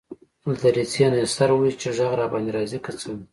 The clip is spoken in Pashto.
له دريڅې نه يې سر واېست چې غږ له باندي راځي که څنګه.